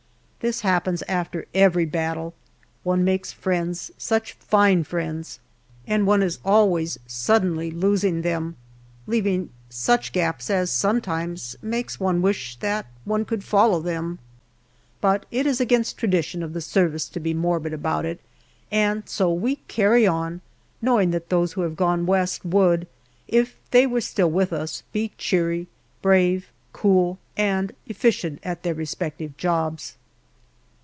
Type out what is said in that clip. This happens after every battle. One makes friends such fine friends ! and one is always suddenly losing them, leaving such gaps as sometimes make one wish that one could follow them. But it is against the tradition of the service to be morbid about it, and so we " carry on," knowing that those who have gone West would, if they wore still with us, be cheery, brave, cool, and efficient at their respective jobs.